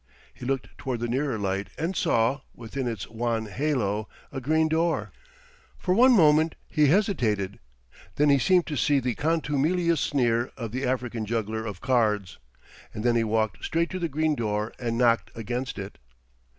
He looked toward the nearer light and saw, within its wan halo, a green door. For one moment he hesitated; then he seemed to see the contumelious sneer of the African juggler of cards; and then he walked straight to the green door and knocked against it.